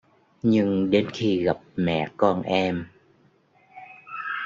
nhưng đến khi gặp mẹ con em